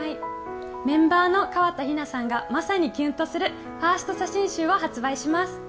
メンバーの河田陽菜さんがまさにキュンとするファースト写真集を発売します。